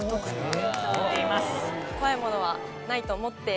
怖いものはないと思って。